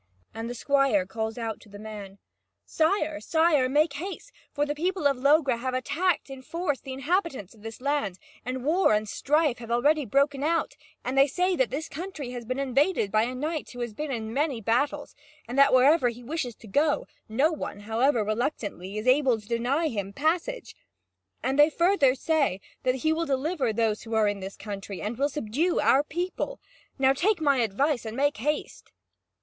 And the squire calls our to the man: "Sire, sire, make haste! For the people of Logres have attacked in force the inhabitants of this land, and war and strife have already broken out; and they say that this country has been invaded by a knight who has been in many battles, and that wherever he wishes to go, no one, however reluctantly, is able to deny him passage. And they further say that he will deliver those who are in this country, and will subdue our people. Now take my advice and make haste!"